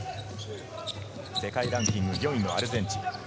世界ランキング４位のアルゼンチン。